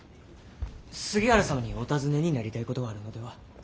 杉原様にお尋ねになりたいことがあるのでは？